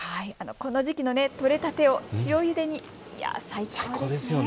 この時期の取れたてを塩ゆでに、最高ですよね。